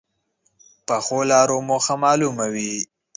پخو لارو موخه معلومه وي